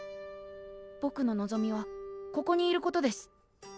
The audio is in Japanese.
ぼくの望みはここにいることです。